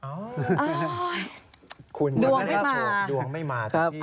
ดวงไม่มา